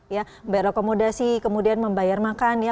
ya membayar akomodasi kemudian membayar makan ya